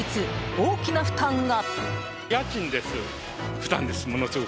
大きな負担が。